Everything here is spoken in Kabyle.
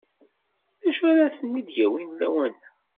D acu ara ten-id-yawin lawan-a?